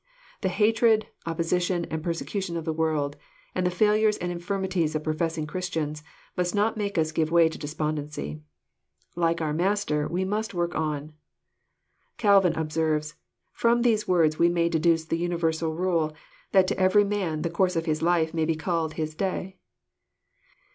The hatred, opposition, and persecu tion of the world, and the failures and infirmities of professing Christians, must not make us give way to despondency. Like our Master, we must work on. Calvin observes: "From these words we may deduce the universal rule, that to every man the course of his life may be called his day."